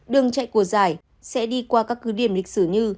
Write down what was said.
đường chạy của giải sẽ đi qua các cứ điểm lịch sử như